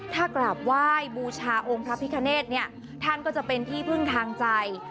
ถ้ากราบไหว้บูชาองค์พระพิคเนธเนี่ยท่านก็จะเป็นที่พึ่งทางใจ